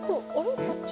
こっち？